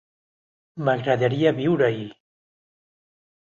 M'agradaria viure-hi.